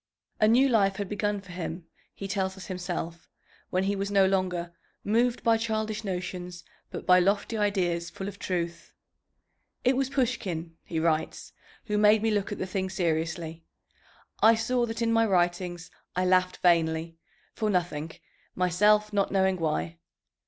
A new life had begun for him, he tells us himself, when he was no longer "moved by childish notions, but by lofty ideas full of truth." "It was Pushkin," he writes, "who made me look at the thing seriously. I saw that in my writings I laughed vainly, for nothing, myself not knowing why.